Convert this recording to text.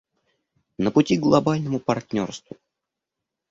На пути к глобальному партнерству.